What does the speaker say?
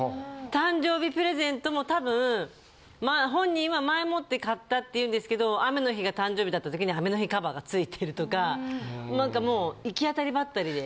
誕生日プレゼントも多分まあ本人は前もって買ったって言うんですけど雨の日が誕生日だった時に雨の日カバーがついてるとか何かもう行き当たりばったりで。